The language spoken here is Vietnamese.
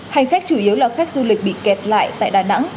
hành khách chủ yếu là khách du lịch bị kẹt lại tại đà nẵng